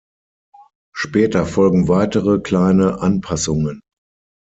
Später folgen weitere kleine Anpassungen.